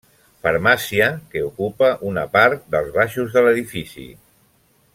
Farmàcia que ocupa una part dels baixos de l'edifici.